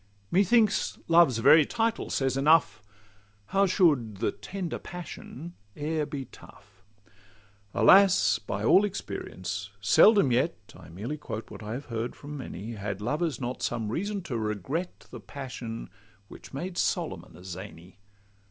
Methinks Love's very title says enough: How should 'the tender passion' e'er be tough? Alas! by all experience, seldom yet (I merely quote what I have heard from many) Had lovers not some reason to regret The passion which made Solomon a zany.